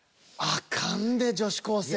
あかんで女子高生。